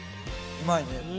うまいね。